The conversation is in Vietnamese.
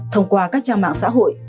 thông qua các trang mạng xã hội